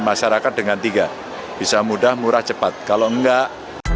masyarakat dengan tiga bisa mudah murah cepat kalau enggak